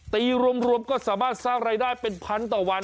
รวมก็สามารถสร้างรายได้เป็นพันต่อวัน